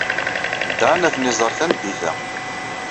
Dan ad ten-iẓer tameddit-a.